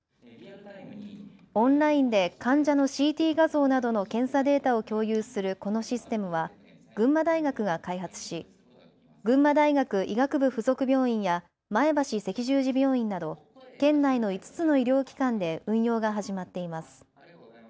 オンラインで患者のＣＴ画像などの検査データを共有するこのシステムは群馬大学が開発し群馬大学医学部附属病院や前橋赤十字病院など県内の５つの医療機関で運用が始まっています。